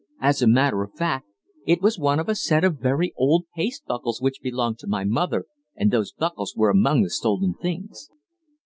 As a matter of fact, it was one of a set of very old paste buckles which belonged to my mother, and those buckles were among the stolen things."